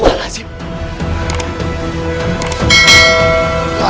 aquellelah tak menurutmu